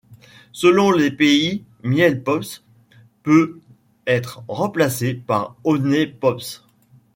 Selon les pays, Miel Pops peut être remplacé par Honey Pops.